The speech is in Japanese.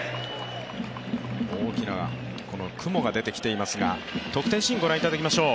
大きな雲が出てきていますが得点シーンをご覧いただきましょう。